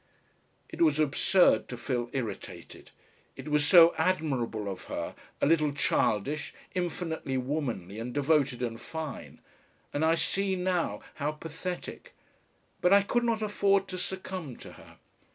It was absurd to feel irritated; it was so admirable of her, a little childish, infinitely womanly and devoted and fine and I see now how pathetic. But I could not afford to succumb to her.